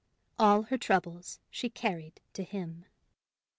All her troubles she carried to him.